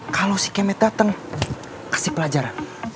kalau si kemi datang kasih pelajaran